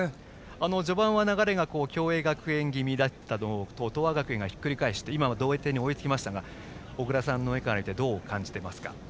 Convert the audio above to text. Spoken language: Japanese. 序盤は、流れが共栄学園気味だったところ東亜学園がひっくり返して同点に追いつきましたが小倉さんの目から見てどう感じていますか。